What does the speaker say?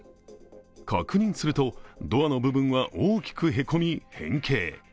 確認すると、ドアの部分は大きくへこみ変形。